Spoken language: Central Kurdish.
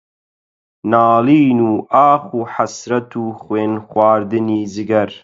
ناڵین و ئاخ و حەسرەت و خوێنخواردنی جگەر